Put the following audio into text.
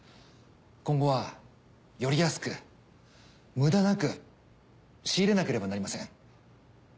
今後はより安く無駄なく仕入れなければなりません。